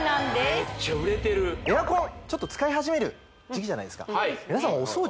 メッチャ売れてるエアコンちょっと使い始める時季じゃないですか